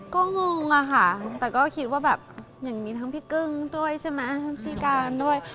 ก็งงอะค่ะแต่ก็คิดว่าแบบอย่างนี้ทั้งพี่กึ้งด้วยใช่ไหมพี่การด้วย